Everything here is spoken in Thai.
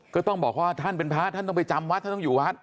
ก็ต้องบอกว่าท่านเป็นพระท่านต้องไปจำวัดท่านต้องอยู่วัด